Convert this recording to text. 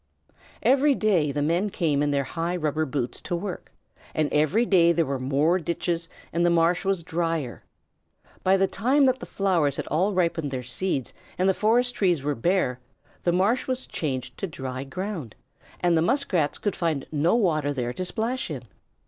Every day the men came in their high rubber boots to work, and every day there were more ditches and the marsh was drier. By the time that the flowers had all ripened their seeds and the forest trees were bare, the marsh was changed to dry ground, and the Muskrats could find no water there to splash in.